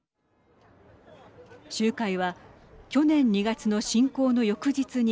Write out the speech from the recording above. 集会は去年２月の侵攻の翌日に